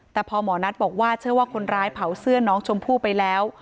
แต่พอหมอนัทบอกว่าเชื่อว่าคนร้ายเผาเสื้อน้องชมพู่ไปแล้ว